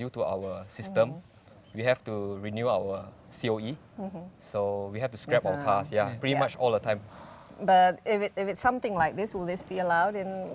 ya sebenarnya kita sedang berada di dalam perjalanan sekarang